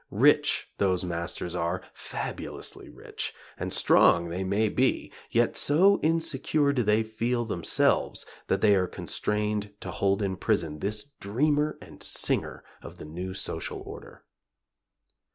Rich those masters are fabulously rich; and strong they may be, yet so insecure do they feel themselves that they are constrained to hold in prison this dreamer and singer of the new social order.